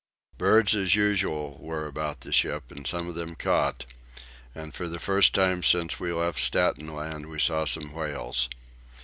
Birds as usual were about the ship and some of them caught; and for the first time since we left Staten Land we saw some whales.